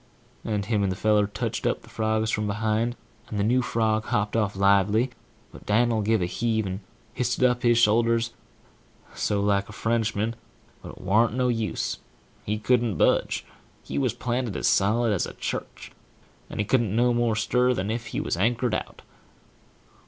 and him and the feller touched up the frogs from behind, and the new frog hopped off, but Dan'l give a heave, and hysted up his shoulders&#8212so&#8212like a French man, but it wan't no use&#8212he couldn't budge; he was planted as solid as an anvil, and he couldn't no more stir than if he was anchored out.